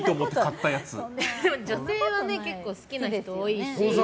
女性は結構好きな人多いし。